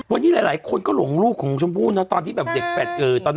วันนี้หลายคนก็หลงลูกของชมพูเนอะตอนที่แบบเด็กแปด